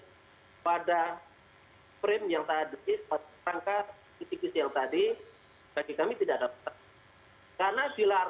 ke kata kata yang baru